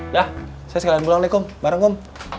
dah saya sekalian pulang ya kom bareng kom